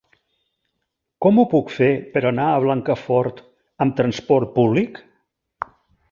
Com ho puc fer per anar a Blancafort amb trasport públic?